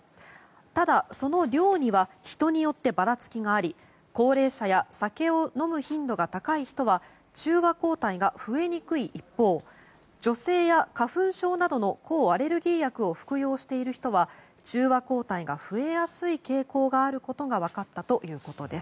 ただ、その量には人によってばらつきがあり高齢者や酒を飲む頻度が高い人は中和抗体が増えにくい一方女性や花粉症などの抗アレルギー薬を服用している人は中和抗体が増えやすい傾向があることが分かったということです。